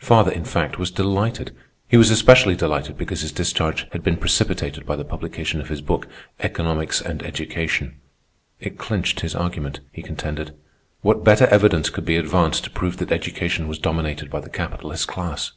Father, in fact, was delighted. He was especially delighted because his discharge had been precipitated by the publication of his book, "Economics and Education." It clinched his argument, he contended. What better evidence could be advanced to prove that education was dominated by the capitalist class?